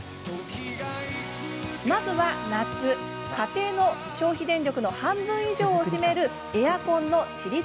まずは夏、家庭の消費電力の半分以上を占めるエアコンのちり